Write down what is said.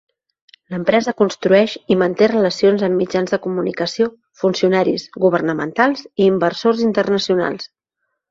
L'empresa construeix i manté relacions amb mitjans de comunicació, funcionaris governamentals i inversors internacionals.